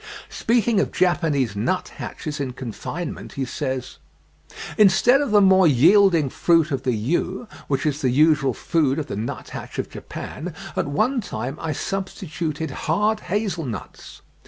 Speaking of Japanese nut hatches in confinement, he says: "Instead of the more yielding fruit of the yew, which is the usual food of the nut hatch of Japan, at one time I substituted hard hazel nuts.